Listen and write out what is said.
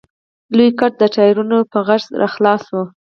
لوی ګټ د ټايرونو په غژس راخلاص شو.